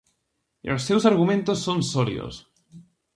E os seus argumentos son sólidos.